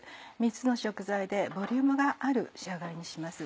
３つの食材でボリュームがある仕上がりにします。